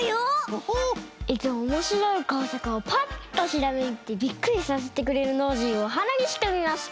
いつもおもしろいこうさくをパッとひらめいてびっくりさせてくれるノージーをおはなにしてみました。